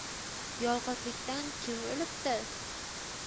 Yolgʼizlikdan kim oʼlibdi